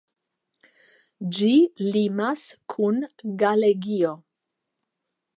Ĝi limas kun Galegio.